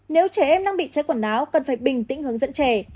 nếu trẻ em đang bị cháy quần áo cần phải bình tĩnh hướng dẫn trẻ